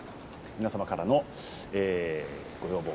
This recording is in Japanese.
皆様からのご要望